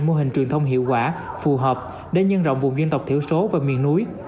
mô hình truyền thông hiệu quả phù hợp để nhân rộng vùng dân tộc thiểu số và miền núi